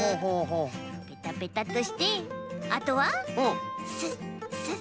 ペタペタとしてあとはスッスッスッ。